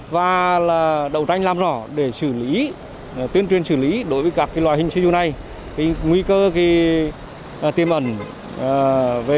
và là đậu tranh làm rõ để xử lý tuyên truyền xử lý đối với các loài hình xe dù này nguy cơ tiềm ẩn về